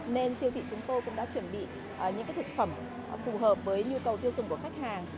nên siêu thị chúng tôi cũng đã chuẩn bị những thực phẩm phù hợp với nhu cầu tiêu dùng của khách hàng